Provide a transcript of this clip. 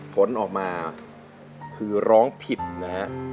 ผลออกมาคือร้องผิดนะฮะ